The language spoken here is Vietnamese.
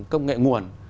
công nghệ nguồn